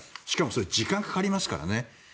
しかもそれ時間がかかりますからね。